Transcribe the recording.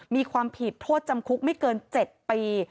มีความผิดโทษจำคุกไม่เกิน๗ปี